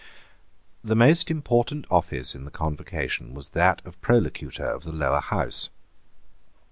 The most important office in the Convocation was that of Prolocutor of the Lower House.